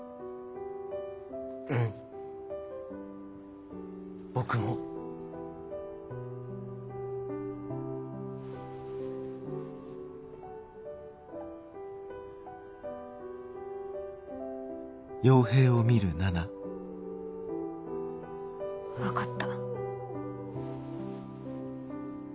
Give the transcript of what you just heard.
うん僕も。分かった。